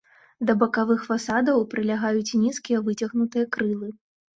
Да бакавых фасадаў прылягаюць нізкія выцягнутыя крылы.